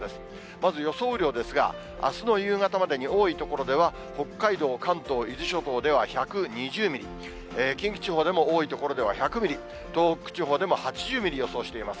まず予想雨量ですが、あすの夕方までに、多い所では、北海道、関東、伊豆諸島では１２０ミリ、近畿地方でも多い所では１００ミリ、東北地方でも８０ミリを予想しています。